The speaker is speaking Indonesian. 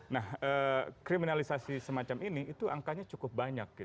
nah kriminalisasi semacam ini itu angkanya cukup banyak